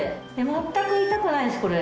全く痛くないですこれ。